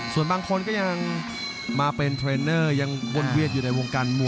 ส่วนบางคนก็ยังมาเป็นเทรนเนอร์ยังวนเวียนอยู่ในวงการมวย